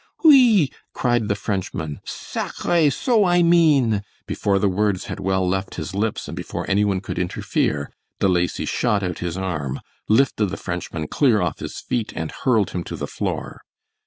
"Oui!" cried the Frenchman; "sacr r re so I mean!" Before the words had well left his lips, and before any one could interfere De Lacy shot out his arm, lifted the Frenchman clear off his feet, and hurled him to the floor.